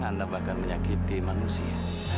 anda bahkan menyakiti manusia